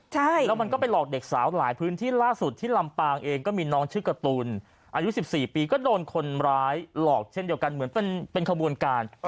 ใช่แล้วมันก็ไปหลอกเด็กสาวหลายพื้นที่ล่าสุดที่ลำปางเองก็มีน้องชื่อการ์ตูนอายุ๑๔ปีก็โดนคนร้ายหลอกเช่นเดียวกันเหมือนเป็นขบวนการ